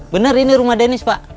benar ini rumah dennis pak